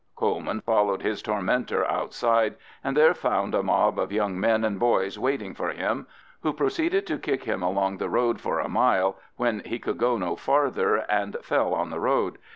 Coleman followed his tormentor outside, and there found a mob of young men and boys waiting for him, who proceeded to kick him along the road for a mile, when he could go no farther, and fell on the road.